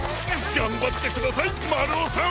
がんばってくださいまるおさん！